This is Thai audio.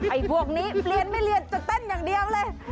ไอ้พวกนี้เรียนไม่เรียนจะเต้นอย่างเดียวเลย